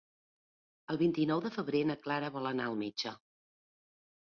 El vint-i-nou de febrer na Clara vol anar al metge.